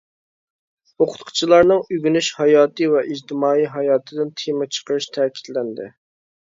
ئوقۇتقۇچىلارنىڭ ئۆگىنىش ھاياتى ۋە ئىجتىمائىي ھاياتىدىن تېما چىقىرىش تەكىتلەندى.